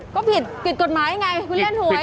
ก็ผิดผิดกฎหมายไงคุณเล่นหวย